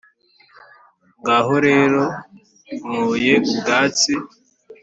ngaho rero nkuye ubwatsi